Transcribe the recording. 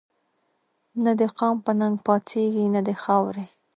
نه دقام په ننګ پا څيږي نه دخاوري